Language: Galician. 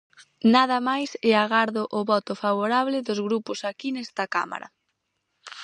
Nada máis e agardo o voto favorable dos grupos aquí nesta Cámara.